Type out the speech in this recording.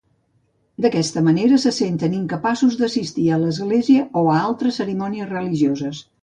D'aquesta manera, se senten incapaços d'assistir a l'església o a altres cerimònies religioses.